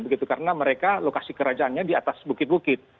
begitu karena mereka lokasi kerajaannya di atas bukit bukit